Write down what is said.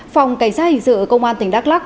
phòng cảnh sát hình sự ở công an tỉnh đắk lắc